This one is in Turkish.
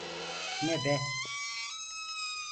Ne be?